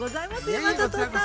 山里さん。